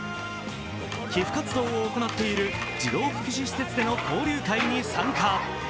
寄付活動を行っている児童福祉施設での交流会に参加。